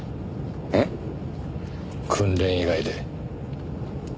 えっ？訓練以外で。